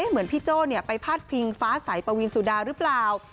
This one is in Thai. เหมือนพี่โจ้ไปพาดพิงฟ้าใสปวีนสุดาหรือเปล่า